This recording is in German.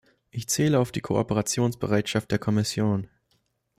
Ich zähle auf die Kooperationsbereitschaft der Kommission.